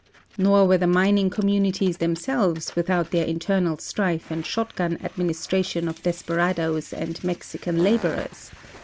Nor were the mining communi ties themselves without their internal strife and shotgun admin istration of desperadoes and Mexican laborers.